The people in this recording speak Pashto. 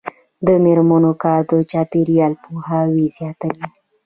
د میرمنو کار د چاپیریال پوهاوي زیاتوي.